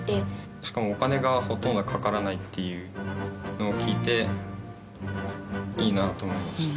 しかもお金がほとんどかからないっていうのを聞いていいなと思いました。